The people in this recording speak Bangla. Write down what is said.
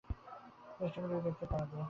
একটু চেষ্টা করলেই দেখতে পাওয়া যায়।